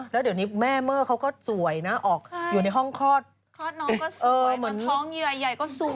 แล้วเดี๋ยวนี้แม่เมอร์เขาก็สวยนะออกอยู่ในห้องคลอดน้องก็สวยเหมือนท้องเหยื่อใหญ่ก็สวย